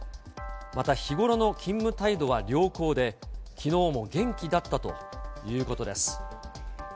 また日頃の勤務態度は良好で、きのうも元気だったということです。